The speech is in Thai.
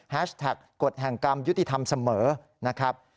แท็กกฎแห่งกรรมยุติธรรมเสมอนะครับ